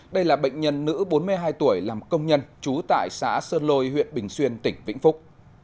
đây là bệnh nhân nữ bốn mươi hai tuổi làm công nhân trú tại xã sơn lôi huyện bình xuyên tỉnh vĩnh phúc